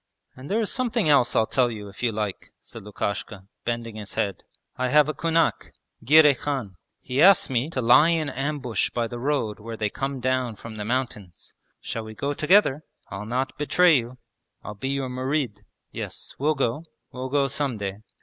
And there is something else I'll tell you if you like,' said Lukashka, bending his head. 'I have a kunak, Girey Khan. He asked me to lie in ambush by the road where they come down from the mountains. Shall we go together? I'll not betray you. I'll be your murid.' 'Yes, we'll go; we'll go some day.'